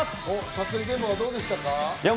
撮影現場はどうでしたか？